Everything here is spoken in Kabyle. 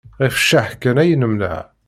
Ɣef cceḥ kan ay nemneɛ.